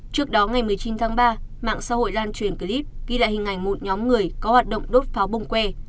trước đó ngày một mươi chín tháng ba mạng xã hội lan truyền clip ghi lại hình ảnh một nhóm người có hoạt động đốt pháo bông que